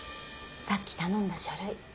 さっき頼んだ書類